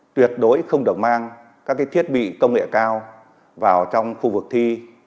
tuyệt đối không được mang các thiết bị công nghệ cao vào trong khu vực thi